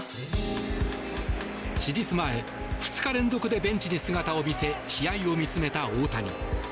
手術前２日連続でベンチに姿を見せ試合を見つめた大谷。